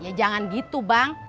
ya jangan gitu bang